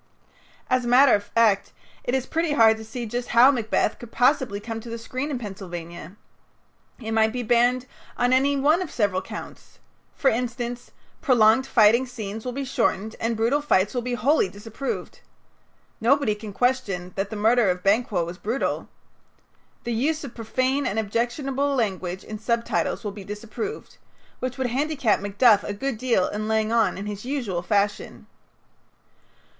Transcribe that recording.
As a matter of fact, it is pretty hard to see just how "Macbeth" could possibly come to the screen in Pennsylvania. It might be banned on any one of several counts. For instance, "Prolonged fighting scenes will be shortened, and brutal fights will be wholly disapproved." Nobody can question that the murder of Banquo was brutal. "The use of profane and objectionable language in subtitles will be disapproved," which would handicap Macduff a good deal in laying on in his usual fashion.